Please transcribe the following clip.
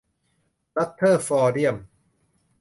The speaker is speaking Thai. รัทเทอร์ฟอร์เดียม